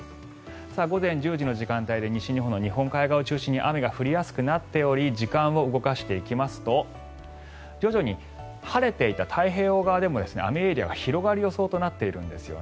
午前１０時の時間帯で西日本の日本海側で雨が降りやすくなっており時間を動かしていきますと徐々に、晴れていた太平洋側でも雨エリアが広がる予想となっているんです。